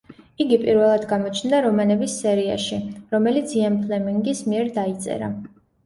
იგი პირველად გამოჩნდა რომანების სერიაში, რომელიც იენ ფლემინგის მიერ დაიწერა.